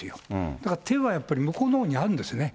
だから手はやっぱり、向こうのほうにあるんですね。